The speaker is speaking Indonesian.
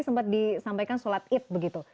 sempat disampaikan sholat id begitu